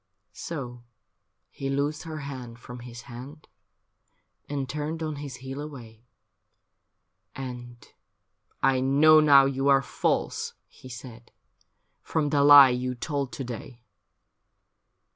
So he loosed her hand from his hand, And turned on his heel away. And, * I know now you are false,' he said, 'From the lie you told to day.'